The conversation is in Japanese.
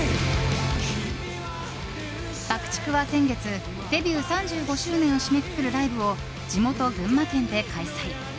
ＢＵＣＫ‐ＴＩＣＫは先月デビュー３５周年を締めくくるライブを地元・群馬県で開催。